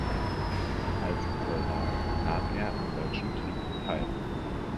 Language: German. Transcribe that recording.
Als Soldat nahm er am Deutschen Krieg teil.